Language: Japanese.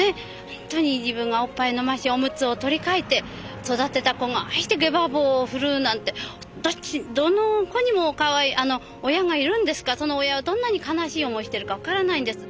ほんとに自分がおっぱい飲ましおむつを取り替えて育てた子がああしてゲバ棒を振るうなんてどの子にもかわいい親がいるんですからその親はどんなに悲しい思いしてるか分からないんです。